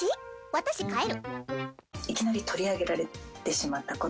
私帰る。